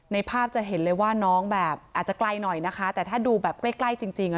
ในภาพจะเห็นเลยว่าน้องแบบอาจจะไกลหน่อยนะคะแต่ถ้าดูแบบใกล้จริง